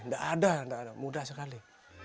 tidak ada tidak ada mudah sekali